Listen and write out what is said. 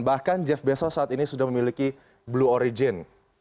bahkan jeff bezo saat ini sudah memiliki blue origin